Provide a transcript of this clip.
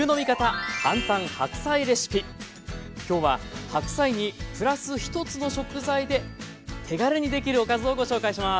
今日は白菜にプラス１つの食材で手軽にできるおかずをご紹介します。